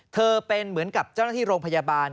เป็นเหมือนกับเจ้าหน้าที่โรงพยาบาล